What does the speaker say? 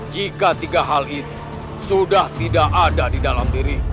jika tiga hal itu sudah tidak ada di dalam diri